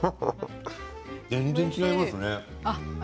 全然、違いますね。